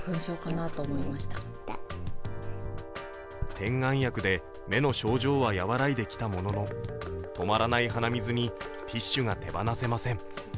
点眼薬で目の症状はやわらいできたものの、止まらない鼻水に、ティッシュが手放せません。